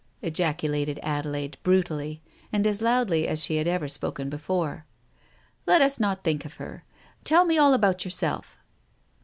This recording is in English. " ejaculated Adelaide, brutally, and as loudly as she had ever spoken before. "Let us not think of her. Tell me all about yourself."